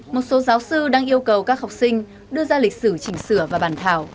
một số giáo sư đang yêu cầu các học sinh đưa ra lịch sử chỉnh sửa và bàn thảo